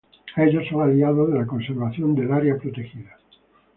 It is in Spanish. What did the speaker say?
Ellos son aliados de la conservación del área protegida.